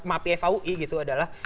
yang saya lakuin gitu adalah